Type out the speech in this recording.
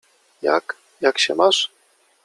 — Jak… jak się masz?